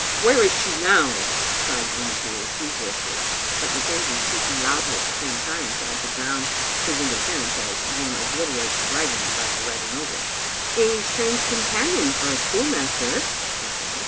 " "Where is she now?" cried Rintoul feverishly; but McKenzie, speaking loudly at the same time, tried to drown his interference as one obliterates writing by writing over it. "A strange companion for a schoolmaster," he said.